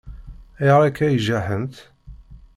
Ayɣer akka i jaḥent?